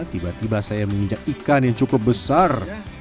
tiba tiba saya menginjak ikan yang cukup besar